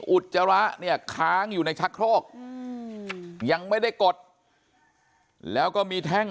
อุจจาระเนี่ยค้างอยู่ในชักโครกยังไม่ได้กดแล้วก็มีแท่ง